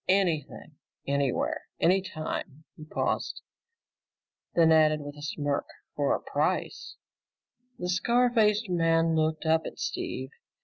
Anything, anywhere, any time," he paused, and then added with a smirk, "for a price!" The scar faced man looked up at Steve.